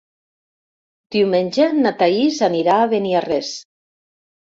Diumenge na Thaís anirà a Beniarrés.